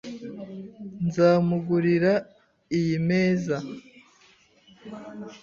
Nzamugurira iyi meza .